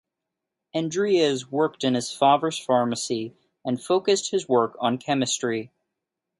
Andreas worked in his father's pharmacy and focused his work on chemistry.